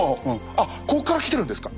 あっここからきてるんですか？